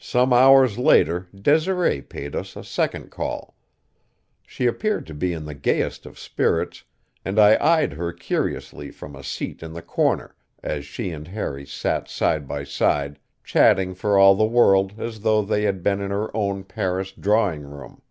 Some hours later Desiree paid us a second call. She appeared to be in the gayest of spirits, and I eyed her curiously from a seat in the corner as she and Harry sat side by side, chatting for all the world as though they had been in her own Paris drawing room.